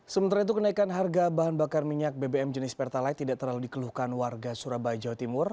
sementara itu kenaikan harga bahan bakar minyak bbm jenis pertalite tidak terlalu dikeluhkan warga surabaya jawa timur